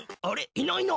いないな。